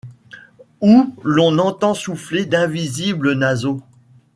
Où l’on entend souffler d’invisibles naseaux ;